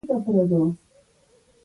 وزرې یې پرانيستې.